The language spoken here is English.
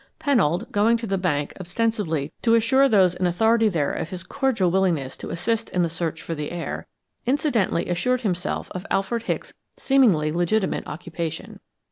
Pennold, going to the bank ostensibly to assure those in authority there of his cordial willingness to assist in the search for the heir, incidentally assured himself of Alfred Hicks' seemingly legitimate occupation.